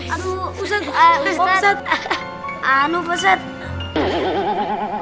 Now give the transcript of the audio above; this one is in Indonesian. aduh aduh usah